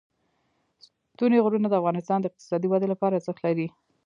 ستوني غرونه د افغانستان د اقتصادي ودې لپاره ارزښت لري.